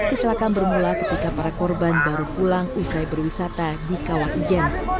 kecelakaan bermula ketika para korban baru pulang usai berwisata di kawah ijen